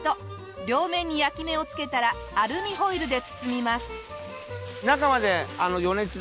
両面に焼き目を付けたらアルミホイルで包みます。